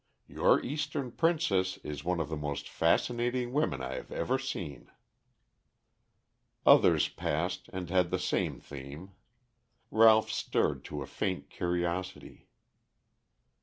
Your Eastern Princess is one of the most fascinating women I have even seen." Others passed, and had the same theme. Ralph stirred to a faint curiosity.